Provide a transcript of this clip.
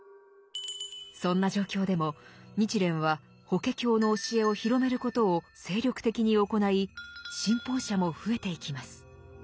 そんな状況でも日蓮は「法華経」の教えを広めることを精力的に行い信奉者も増えていきます。